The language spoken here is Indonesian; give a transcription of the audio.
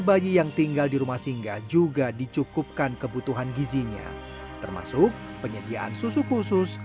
bayi yang tinggal di rumah singgah juga dicukupkan kebutuhan gizinya termasuk penyediaan susu khusus